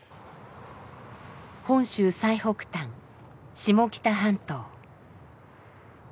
本州最北端下北半島。